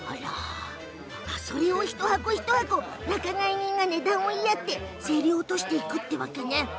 それを一箱一箱仲買人が値段を言い合って競り落としていくってわけね。